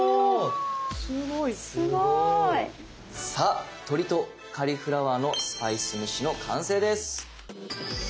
すごい！さあ「鶏とカリフラワーのスパイス蒸し」の完成です。